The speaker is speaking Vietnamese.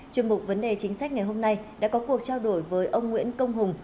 chuyên mục vấn đề chính sách ngày hôm nay đã có cuộc trao đổi với ông nguyễn công hùng